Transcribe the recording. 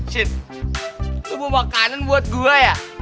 sini lo mau makanan buat gue ya